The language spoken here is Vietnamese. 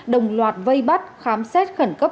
đồng loạt vây bắt khám xét khẩn cấp